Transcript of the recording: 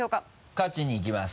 勝ちにいきます。